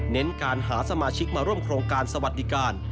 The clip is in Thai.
เน้นการหาสมาชิกมาร่วมโครงการสวัสดิการ